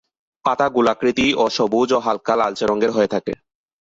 পাতা গোলাকৃতি ও সবুজ ও হালকা লালচে রঙের হয়ে থাকে।